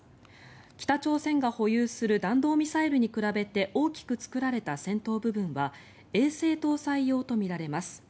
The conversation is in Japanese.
北朝鮮が保有する弾道ミサイルに比べて大きく作られた先頭部分は衛星搭載用とみられます。